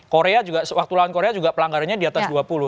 korea juga waktu lawan korea juga pelanggarannya di atas dua puluh